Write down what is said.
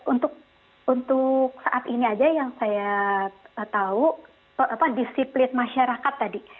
untuk saat ini aja yang saya tahu disiplin masyarakat tadi